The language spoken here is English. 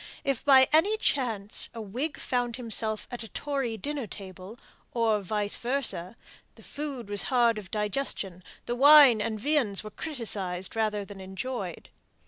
If by any chance a Whig found himself at a Tory dinner table or vice versë the food was hard of digestion, and wine and viands were criticized rather than enjoyed.